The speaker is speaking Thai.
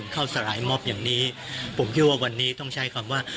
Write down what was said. สลายมอบอย่างนี้ผมคิดว่าวันนี้ต้องใช้คำว่า